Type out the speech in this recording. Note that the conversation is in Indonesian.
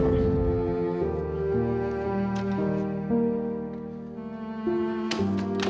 k peluncurnya pijori macbook